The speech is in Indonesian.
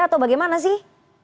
atau bagaimana sih